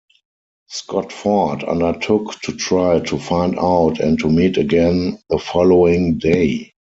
Scott-Ford undertook to try to find out and to meet again the following day.